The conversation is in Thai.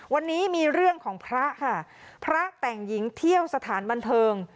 วันนี้มีเรื่องของพระค่ะพระแต่งหญิงเที่ยวสถานบันเทิง